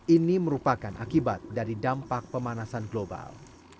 ini merupakan akibat dari dampak pemanasan global